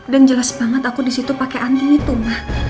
dan jelas banget aku disitu pake anting itu ma